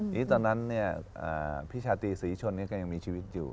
นี่ตอนนั้นเนี่ยพี่ชาติศรีชนเนี่ยก็ยังมีชีวิตอยู่